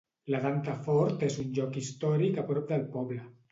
El Danta Fort és un lloc històric a prop del poble.